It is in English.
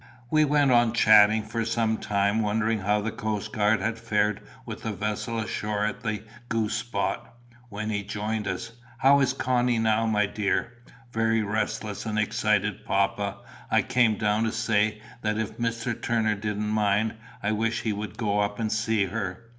We went on chatting for some time, wondering how the coast guard had fared with the vessel ashore at the Goose pot. Wynnie joined us. "How is Connie, now, my dear?" "Very restless and excited, papa. I came down to say, that if Mr. Turner didn't mind, I wish he would go up and see her."